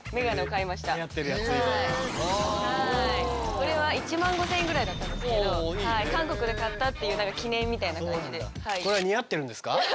これは１５０００円ぐらいだったんですけど韓国で買ったっていう何か記念みたいな感じで。